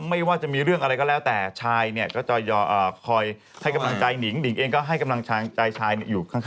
ไม่ว่าจะมีเรื่องอะไรก็แล้วแต่ชายเนี่ยก็จะคอยให้กำลังใจหนิงหนิงเองก็ให้กำลังใจชายอยู่ข้าง